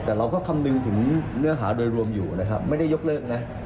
แต่เราก็คำนึงถึงเนื้อหาโดยรวมอยู่นะครับไม่ได้ยกเลิกนะ